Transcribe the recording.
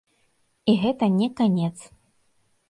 І гэта не канец.